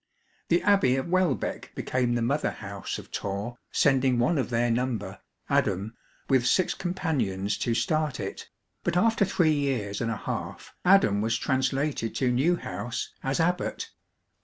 The Abbey of Welbeck became the mother house of Torre, sending one of their number, Adam, with six companions to start it; but after three years and a half Adam was translated to Newhouse as abbot.